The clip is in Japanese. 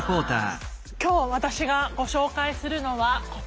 今日私がご紹介するのはこちら。